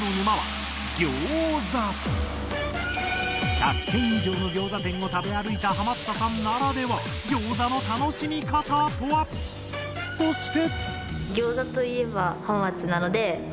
１００軒以上のギョーザ店を食べ歩いたハマったさんならではギョーザの楽しみ方とは⁉そして。